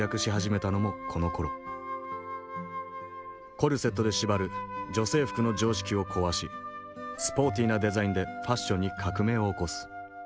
コルセットで縛る女性服の常識を壊しスポーティーなデザインでファッションに革命を起こす。